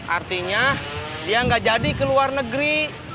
artinya dia nggak jadi ke luar negeri